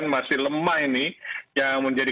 masih lemah ini yang menjadi